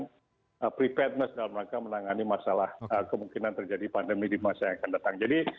dan juga melakukan penyelenggaraan dalam rangka menangani masalah kemungkinan terjadi pandemi di masa yang akan datang